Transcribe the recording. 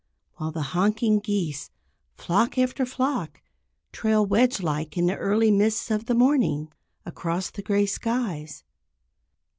While the honking geese, flock after flock, trail wedge like in the early mists of the morning, across the gray skies.